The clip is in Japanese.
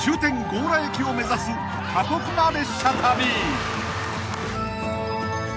強羅駅を目指す過酷な列車旅］